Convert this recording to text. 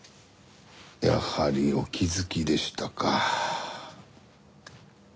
やはりお気づきでしたか。